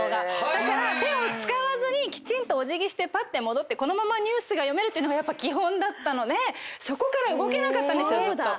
だから手を使わずにきちんとお辞儀してぱって戻ってこのままニュースが読めるっていうのが基本だったのでそこから動けなかったんですよ。